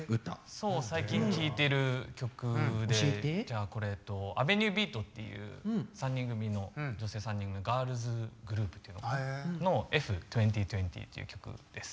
そう最近聴いてる曲でアヴェニュー・ビートっていう女性３人組のガールズグループっていうの「Ｆ２０２０」っていう曲です。